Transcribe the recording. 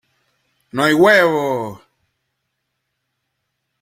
¡ no hay huevos!